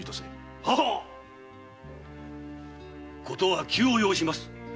事は急を要します。